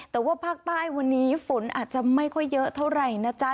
แต่ว่าภาคใต้วันนี้ฝนอาจจะไม่ค่อยเยอะเท่าไหร่นะจ๊ะ